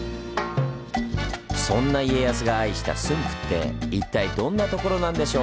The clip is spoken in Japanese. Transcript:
そんな家康が愛した駿府って一体どんな所なんでしょう？